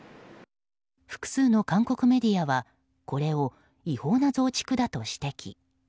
複数の韓国メディアはこれを違法な増築だと指摘。